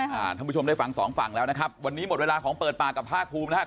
ท่านผู้ชมได้ฟังสองฝั่งแล้วนะครับวันนี้หมดเวลาของเปิดปากกับภาคภูมินะครับ